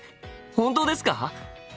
本当ですか！？